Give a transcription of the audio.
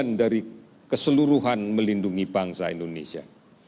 dan kemudian dari keseluruhan melindungi bangsa indonesia